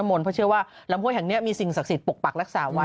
มนต์เพราะเชื่อว่าลำห้วยแห่งนี้มีสิ่งศักดิ์สิทธิปกปักรักษาไว้